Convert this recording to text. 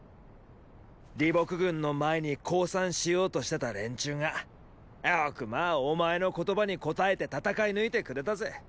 李牧軍の前に降参しようとしてた連中がよくまァお前の言葉に応えて戦い抜いてくれたぜ。